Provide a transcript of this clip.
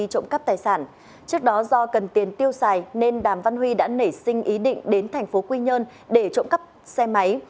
trước đó do cần tiền tiêu xài nên đàm văn huy đã nảy sinh ý định đến thành phố quy nhơn để trộm cắp xe máy